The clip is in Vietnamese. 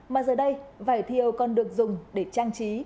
mà giờ đây vải thiều còn được dùng để trang trí